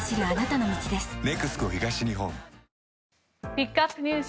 ピックアップＮＥＷＳ